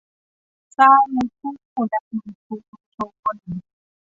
สร้างผู้นำชุมชน